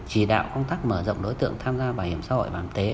chỉ đạo công tác mở rộng đối tượng tham gia bảo hiểm xã hội bảo hiểm y tế